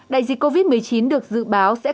đại dịch covid một mươi chín được dự báo sẽ còn lại